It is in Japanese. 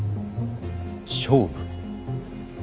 勝負？